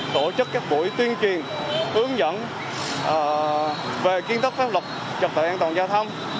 tổ chức các buổi tuyên truyền hướng dẫn về kiến thức pháp luật trật tự an toàn giao thông